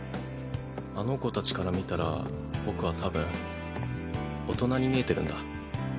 あの子たちから見たら僕はたぶん大人に見えてるんだ。